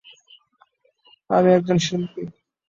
আমি একজন শিল্পী।